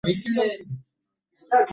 বিনয় কহিল, জাতিভেদটা ভালোও নয়, মন্দও নয়।